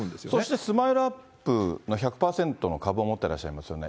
そしてスマイルアップの１００％の株を持ってらっしゃいますよね。